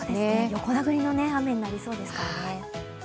横殴りの雨になりそうですからね。